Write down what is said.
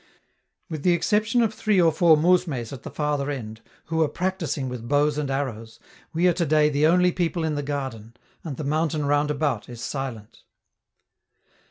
With the exception of three or four 'mousmes' at the farther end, who are practising with bows and arrows, we are today the only people in the garden, and the mountain round about is silent.